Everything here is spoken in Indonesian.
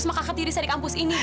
semaka ketiris saya di kampus ini bu